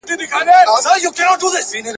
وچه دښته سیرابه سوه په حیات